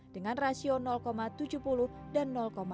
dengan rasio tujuh puluh dan enam puluh sembilan